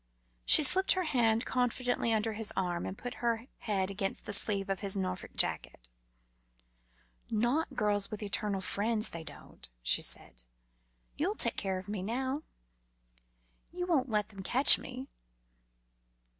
She slipped her hand confidingly under his arm, and put her head against the sleeve of his Norfolk jacket. "Not girls with eternal friends, they don't," she said. "You'll take care of me now? You won't let them catch me?"